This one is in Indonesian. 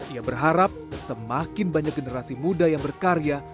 ia berharap semakin banyak generasi muda yang berkarya